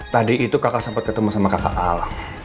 tadi itu kakak sempet ketemu sama kakak al